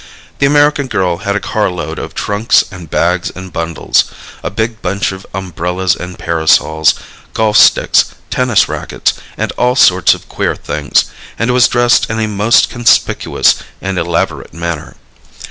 The American girl had a car load of trunks and bags and bundles, a big bunch of umbrellas and parasols, golf sticks, tennis racquets and all sorts of queer things, and was dressed in a most conspicuous and elaborate manner.